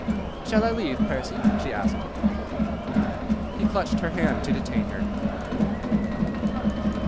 "Shall I leave, Percy?" she asked. He clutched her hand to detain her.